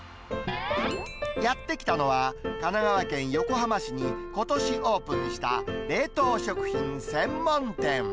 やって来たのは、神奈川県横浜市にことしオープンした、冷凍食品専門店。